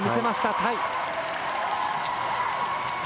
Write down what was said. タイ。